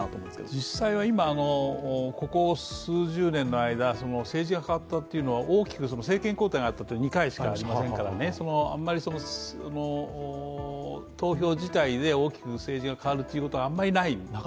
実際は今、ここ数十年の間政治が変わったというのは大きく政権交代があったのは２回しかありませんから、投票自体で大きく政治が変わるということがあまりない。